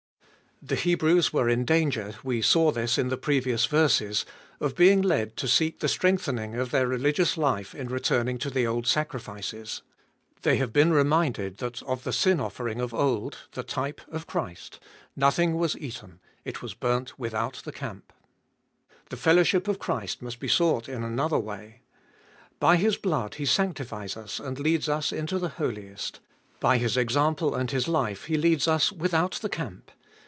THE Hebrews were in danger, we saw this in the previous verses, of being led to seek the strengthening of their religious life in returning to the old sacrifices. They have been reminded that of the sin offering of old, the type of Christ, nothing was eaten ; it was burnt without the camp. The fellowship of Christ must be sought in another way. By His blood He sanctifies us and leads us into the Holiest ; by His example and His life He leads us without the camp.